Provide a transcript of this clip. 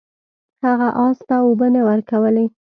هغه اس ته اوبه نه ورکولې.